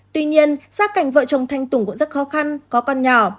tuy nhiên gia cảnh vợ chồng thanh tùng cũng rất khó khăn có con nhỏ